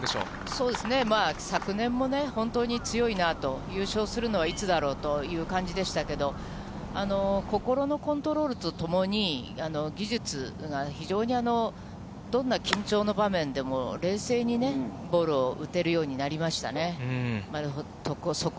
そうですね、昨年も本当に強いなと、優勝するのはいつだろうという感じでしたけれども、心のコントロールとともに、技術が非常に、どんな緊張の場面でも冷静にね、ボールを打てるようになりましたね。